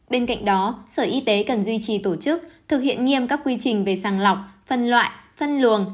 bên cạnh đó sở y tế cần duy trì tổ chức thực hiện nghiêm các quy trình về sàng lọc phân loại phân luồng